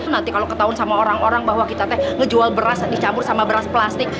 nanti kalau ketahuan sama orang orang bahwa kita teh ngejual beras dicampur sama beras plastik